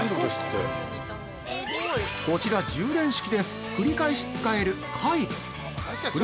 ◆こちら充電式で繰り返し使えるカイロ。